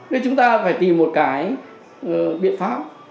nên chúng ta phải tìm một cái biện pháp